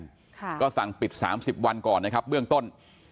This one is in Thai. ยืนยันว่ารุ่น๑๐วันก่อน